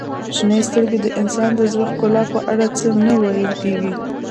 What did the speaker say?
• شنې سترګې د انسان د زړه ښکلا په اړه څه نه ویل کیږي.